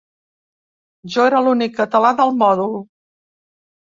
Jo era l’únic català del mòdul.